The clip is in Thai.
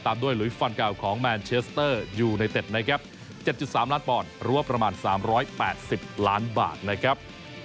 ด้วยหลุยฟันเก่าของแมนเชสเตอร์ยูไนเต็ดนะครับ๗๓ล้านปอนด์หรือว่าประมาณ๓๘๐ล้านบาทนะครับ